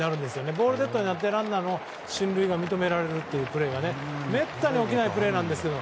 ボールデッドになってランナーの進塁が認められるというめったに起きないプレーなんですけど。